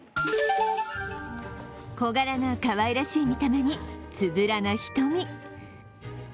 小柄なかわいらしい見た目につぶらな瞳。